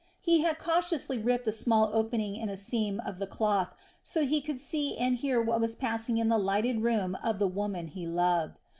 He had cautiously ripped a small opening in a seam of the cloth, so he could see and hear what was passing in the lighted room of the woman he loved.